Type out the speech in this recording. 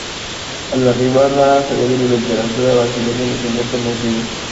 Al arribar, nada sabía de la literatura brasileña ni tenía conocidos.